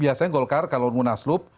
biasanya golkar kalau munaslup